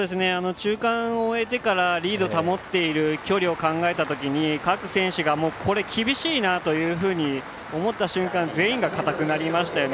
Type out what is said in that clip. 中間を終えてからリードを保っている距離を考えたときに各選手がこれ厳しいなというふうに思った瞬間全員が硬くなりましたね。